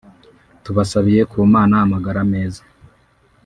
tubasabiye ku Mana amagara meza